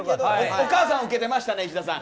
お母さんはウケてましたね石田さん。